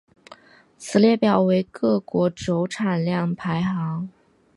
此列表为各国铀产量排行。